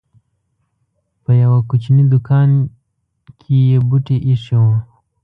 په يوه کوچنۍ دوکان کې یې بوټي اېښي وو.